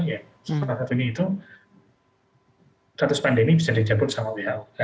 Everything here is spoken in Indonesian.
salah satunya itu status pandemi bisa dikabut oleh who